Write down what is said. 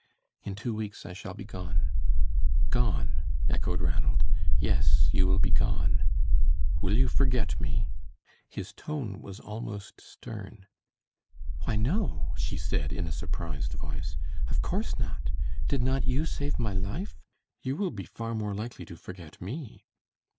"In two weeks I shall be gone." "Gone!" echoed Ranald. "Yes, you will be gone. Will you forget me?" His tone was almost stern. "Why, no," she said, in a surprised voice. "Of course not. Did not you save my life? You will be far more likely to forget me."